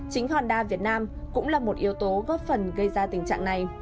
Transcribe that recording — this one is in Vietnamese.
chính honda việt nam cũng là một yếu tố góp phần gây ra tình trạng này